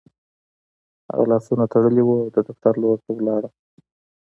د هغه لاسونه تړلي وو او د دفتر لور ته لاړ